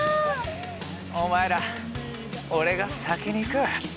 お前ら俺が先に行く。